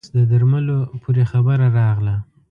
بس د درملو پورې خبره راغله.